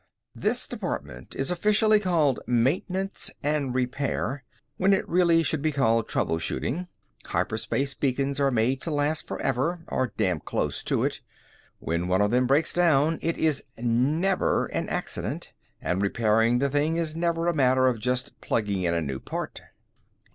"This department is officially called Maintenance and Repair, when it really should be called trouble shooting. Hyperspace beacons are made to last forever or damn close to it. When one of them breaks down, it is never an accident, and repairing the thing is never a matter of just plugging in a new part."